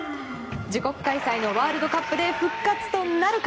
自国開催のワールドカップで復活となるか。